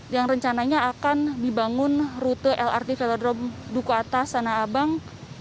yang rencananya akan dibangun rute lrt velodrome duku atas tanah abang